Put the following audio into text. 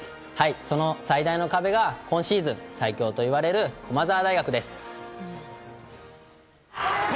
その最大の壁が今シーズン最強といわれる駒澤大学です。